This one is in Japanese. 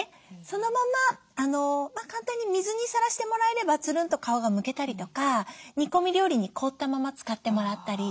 そのまま簡単に水にさらしてもらえればツルンと皮がむけたりとか煮込み料理に凍ったまま使ってもらったり。